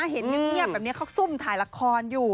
เห็นเงียบแบบนี้เขาซุ่มถ่ายละครอยู่